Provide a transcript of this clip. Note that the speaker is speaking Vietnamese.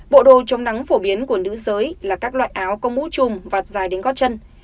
bộ đồ chống nắng phổ biến của nữ giới là các loại áo có mũ trùm vàt dài đến gót chân